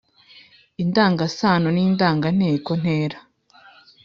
indangasano n’indanganteko, ntera,